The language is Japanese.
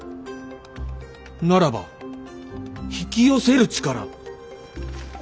ならば「引き寄せる力」。